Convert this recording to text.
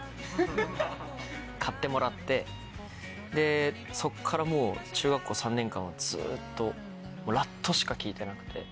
でそこからもう中学校３年間はずっとラッドしか聴いてなくて。